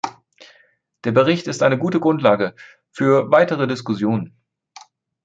Der Bericht ist eine gute Grundlage für weitere Diskussionen.